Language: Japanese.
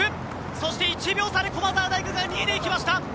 そして１秒差で駒澤大学が行きました。